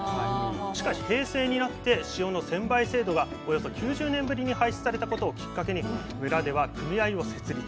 しかし平成になって塩の専売制度がおよそ９０年ぶりに廃止されたことをきっかけに村では組合を設立。